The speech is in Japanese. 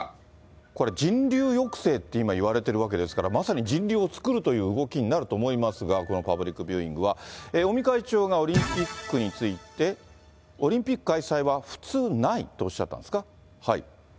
これ、人流抑制って、今言われているわけですから、まさに人流を作るという動きになると思いますが、このパブリックビューイングは。尾身会長がオリンピックについて、オリンピック開催は普通ないとおっしゃったんですか？